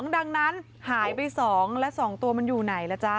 ดังนั้นหายไป๒และ๒ตัวมันอยู่ไหนล่ะจ๊ะ